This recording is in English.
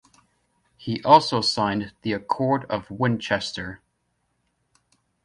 He also signed the Accord of Winchester.